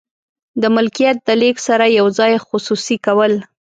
د ملکیت د لیږد سره یو ځای خصوصي کول.